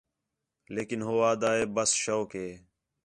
لیکن ہو آھدا ہے ٻس شوق ہِے